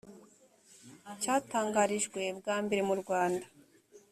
cyatangarijwe bwa mbere murwanda